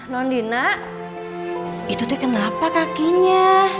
londina itu dia kenapa kakinya